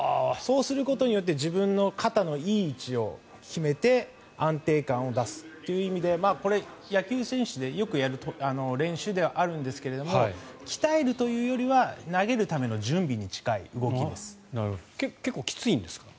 そうすることによって自分の肩のいい位置を決めて安定感を出すという意味で野球選手でよくやる練習ではあるんですが鍛えるというよりは投げるための準備に近い動きです。